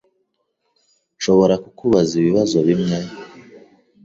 Nshobora kukubaza ibibazo bimwe?